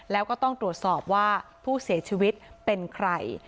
แล้วก็ต้องตรวจสอบว่าผู้เสียชีวิตเป็นใคร